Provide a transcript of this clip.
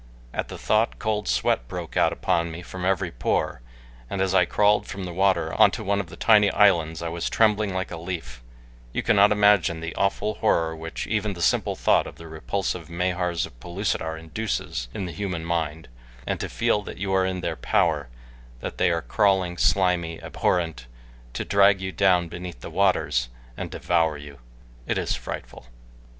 At the thought cold sweat broke out upon me from every pore, and as I crawled from the water onto one of the tiny islands I was trembling like a leaf you cannot imagine the awful horror which even the simple thought of the repulsive Mahars of Pellucidar induces in the human mind, and to feel that you are in their power that they are crawling, slimy, and abhorrent, to drag you down beneath the waters and devour you! It is frightful.